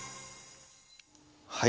はい。